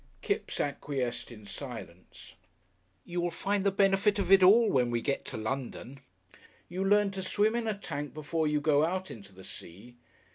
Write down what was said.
Kipps acquiesced in silence. "You will find the benefit of it all when we get to London. You learn to swim in a tank before you go out into the sea.